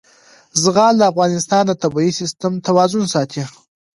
زغال د افغانستان د طبعي سیسټم توازن ساتي.